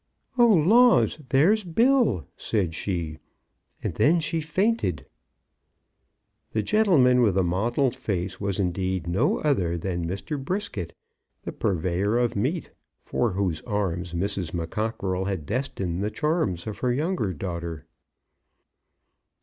"Oh, laws! there's Bill," said she, and then she fainted. The gentleman with the mottled face was indeed no other than Mr. Brisket, the purveyor of meat, for whose arms Mrs. McCockerell had destined the charms of her younger daughter.